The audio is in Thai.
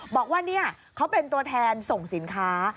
บอกว่าเขาเป็นตัวแทนส่งสินค้า